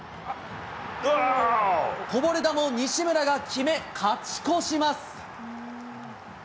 こぼれ球を西村が決め、勝ち越します。